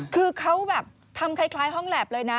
คือเขาแบบทำคล้ายห้องแล็บเลยนะ